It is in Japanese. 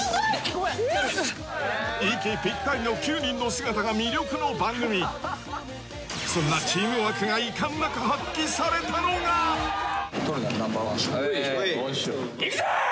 ごめんっ息ぴったりの９人の姿が魅力の番組そんなチームワークがいかんなく発揮されたのがウエーイいくぜー！